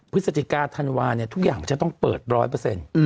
พฤศจิกาธัณฑ์วางทุกอย่างจะต้องเปิด๑๐๐เปอร์เซ็นต์